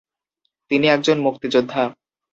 তিনি একজন মুক্তিযোদ্ধা।